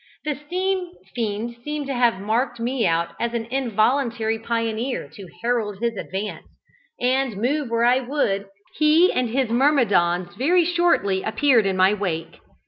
The steam fiend seemed to have marked me out as an involuntary pioneer to herald his advance; and, move where I would, he and his myrmidons very shortly appeared in my wake.